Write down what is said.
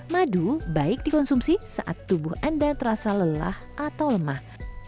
madu baik dikonsumsi saat tubuh anda terasa lelah atau lemah